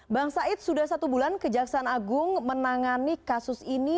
bang said sudah satu bulan kejaksaan agung menangani kasus ini